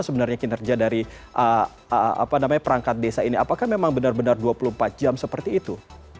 sebenarnya kinerja dari perangkat desa ini apakah memang benar benar dua puluh empat jam seperti itu